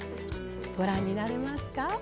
ご覧になれますか？